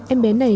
em bé này